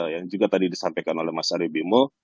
yang juga tadi disampaikan oleh mas arief bimo